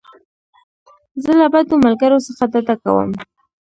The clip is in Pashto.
زه له بدو ملګرو څخه ډډه کوم.